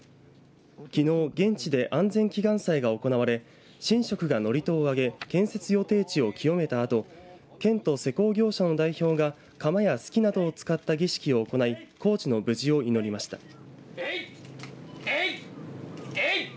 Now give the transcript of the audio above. きのう現地で安全祈願祭が行われ神職が祝詞をあげ建設予定地を清めたあと県と施工業者の代表が鎌やすきなどを使った儀式を行い工事の無事を祈りました。